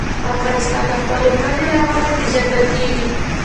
افغانستان د خپلو کلیو له مخې پېژندل کېږي.